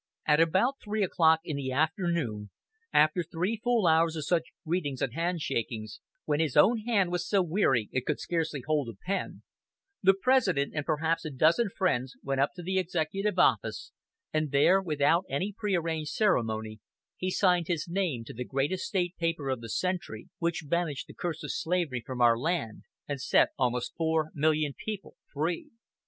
At about three o'clock in the afternoon, after full three hours of such greetings and handshakings, when his own hand was so weary it could scarcely hold a pen, the President and perhaps a dozen friends, went up to the Executive Office, and there, without any pre arranged ceremony, he signed his name to the greatest state paper of the century, which banished the curse of slavery from our land, and set almost four million people free.